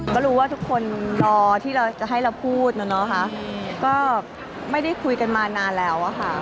ก็รู้ว่าทุกคนรอที่เราจะให้เราพูดนะเนาะก็ไม่ได้คุยกันมานานแล้วอะค่ะ